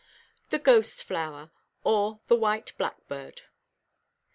THE GHOST FLOWER, OR THE WHITE BLACKBIRD.